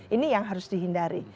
ini yang harus dihindari